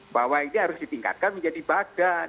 bahwa ini harus ditingkatkan menjadi badan